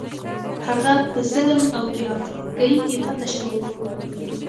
هغه په ظلم او بې عاطفګۍ کې تا ته شوی و.